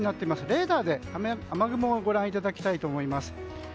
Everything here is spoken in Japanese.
レーダーで雨雲をご覧いただきたいと思います。